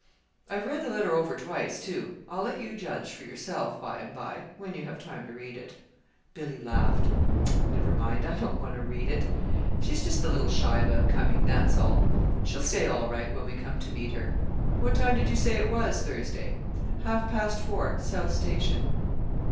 I've read the letter over twice, too. I'll let you judge for yourself by and by, when you have time to read it." Billy laughed. "Never mind. I don't want to read it. She's just a little shy about coming, that's all. She'll stay all right, when we come to meet her. What time did you say it was, Thursday?" "Half past four, South Station."